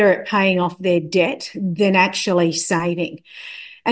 membayar uang mereka daripada menyelamatkan